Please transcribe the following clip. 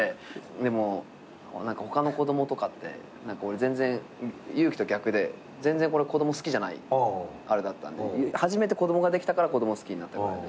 でも他の子供とかって俺友貴と逆で全然子供好きじゃないあれだったんで初めて子供ができたから子供好きになったぐらいで。